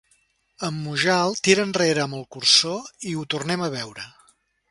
En Mujal tira enrere amb el cursor i ho tornen a veure.